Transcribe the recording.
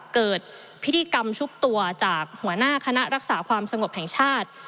เกิดพิธีกรรมชุบตัวจากหัวหน้าคณะรักษาความสงบแห่งชาติ